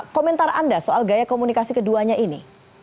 komentar anda soal gaya komunikasi keduanya ini